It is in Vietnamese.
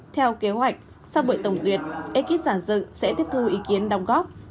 theo kế hoạch sau buổi tổng duyệt ekip giàn dự sẽ tiếp thu ý kiến đồng góp